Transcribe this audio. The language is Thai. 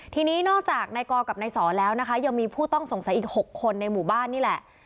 ทีนี้นอกจากนายกอกับนายสอแล้วนะคะยังมีผู้ต้องสงสัยอีก๖คนในหมู่บ้านนี่แหละ